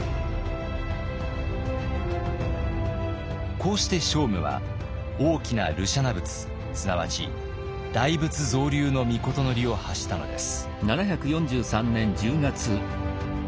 こうして聖武は大きな盧舎那仏すなわち大仏造立の詔を発したのです。